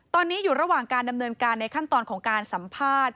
ตอนนี้อยู่ระหว่างการดำเนินการในขั้นตอนของการสัมภาษณ์